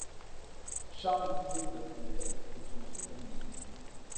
Charles-Guillaume de Heideck retourne ensuite à Munich.